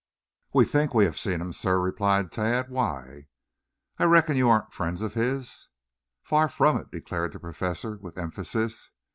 "We think we have seen him, sir," replied Tad. "Why?" "I reckon you aren't friends of his?" "Far from it," declared the Professor with emphasis.